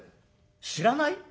知らない？